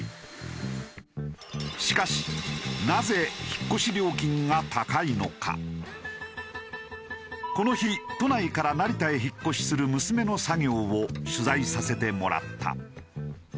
しかしこの日都内から成田へ引っ越しする娘の作業を取材させてもらった。